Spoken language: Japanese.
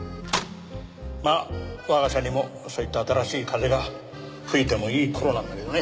まあ我が社にもそういった新しい風が吹いてもいい頃なんだけどね。